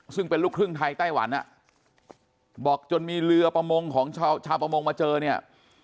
ซึ่งเป็นลูกครึ่งไทยไต้หวันอ่ะบอกจนมีเรือประมงของชาวประมงมาเจอเนี่ย